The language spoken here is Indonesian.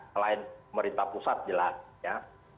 selain pemerintah pusat jelas ya